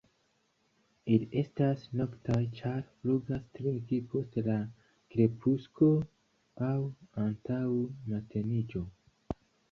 Ili estas noktaj, ĉar flugas trinki post la krepusko aŭ antaŭ mateniĝo.